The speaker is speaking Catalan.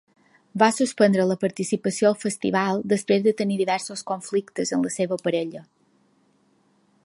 Va suspendre la participació al festival després de tenir diversos conflictes amb la seva parella.